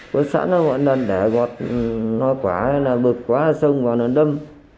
có sẵn nó ngọn lần để gọt nó quả bực quá xong rồi nó đâm